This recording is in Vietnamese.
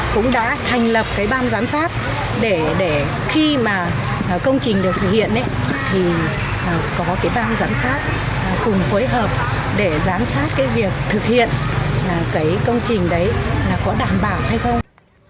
cũng đã thành lập cái ban giám sát để khi mà công trình được thực hiện thì có cái ban giám sát cùng phối hợp để giám sát cái việc thực hiện cái công trình đấy là có đảm bảo hay không